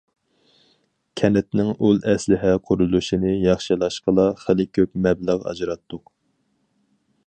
كەنتنىڭ ئۇل ئەسلىھە قۇرۇلۇشىنى ياخشىلاشقىلا خېلى كۆپ مەبلەغ ئاجراتتۇق.